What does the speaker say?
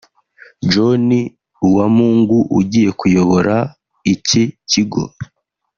John Uwamungu ugiye kuyobora iki kigo